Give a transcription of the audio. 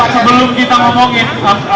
sebelum kita ngomongin